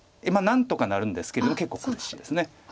何とかなるんですけども結構苦しいです。